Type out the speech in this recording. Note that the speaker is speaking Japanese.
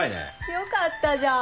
よかったじゃん。